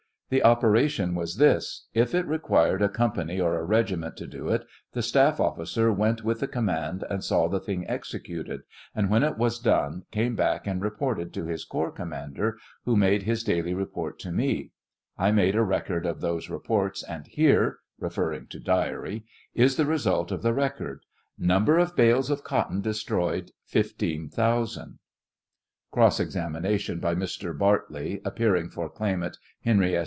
The operation was this ; if it required a company or a regiment to do it, the staff officer went with the 46 command and saw the thing executed, and when it was done came back and reported to bis corps commander, who made his daily report to me ; I made a record of those reports, and here (referring to diary) is the result of the record ;" number of bales of cotton de stroyed' 15 ,000." Cross examination by Mr. Bartley, appearing for claimant, Henry S.